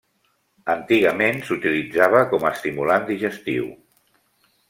Antigament s'utilitzava com a estimulant digestiu.